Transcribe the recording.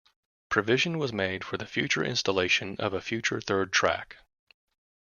Provision was made for the future installation of a future third track.